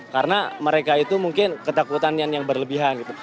karena mereka itu mungkin ketakutan yang berlebihan gitu